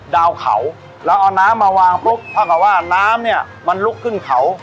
ดาวเขาแล้วเอาน้ำมาวางปุ๊บเท่ากับว่าน้ำเนี่ยมันลุกขึ้นเขา